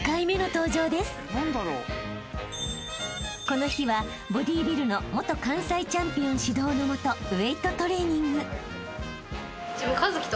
［この日はボディビルの元関西チャンピオン指導のもとウエートトレーニング］